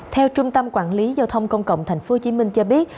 theo trung tâm quản lý giao thông công cộng tp hcm cho biết